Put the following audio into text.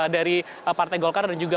dari partai golkar dan juga